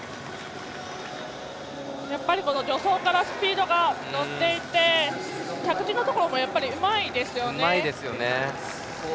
助走からスピードに乗っていて着地のところもやっぱりうまいですよね。